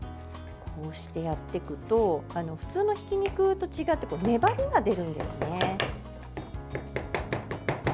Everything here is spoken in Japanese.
こうしてやっていくと普通のひき肉と違って粘りが出るんですね。